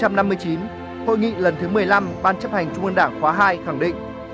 hội nghị lần thứ một mươi năm ban chấp hành trung ương đảng khóa hai khẳng định